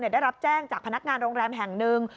ได้รับแจ้งจากพนักงานโรงแรมแห่งหนึ่ง